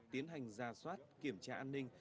tiến hành ra soát kiểm tra an ninh